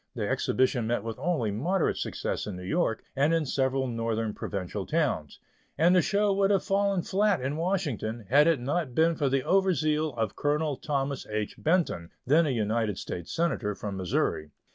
The exhibition met with only moderate success in New York, and in several Northern provincial towns, and the show would have fallen flat in Washington, had it not been for the over zeal of Colonel Thomas H. Benton, then a United States Senator from Missouri.